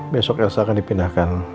besok elsa akan dipindahkan